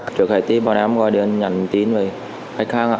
trước khai tiên bọn em gọi điện nhận tin về khách hàng